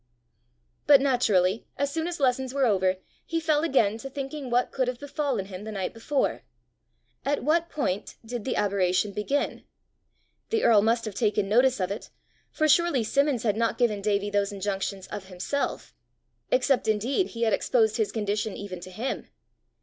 But naturally, as soon as lessons were over, he fell again to thinking what could have befallen him the night before. At what point did the aberration begin? The earl must have taken notice of it, for surely Simmons had not given Davie those injunctions of himself except indeed he had exposed his condition even to him!